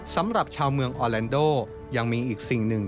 สำหรับชาวเมืองออแลนโดยังมีอีกสิ่งหนึ่ง